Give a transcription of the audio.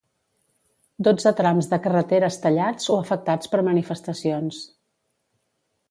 Dotze trams de carreteres tallats o afectats per manifestacions.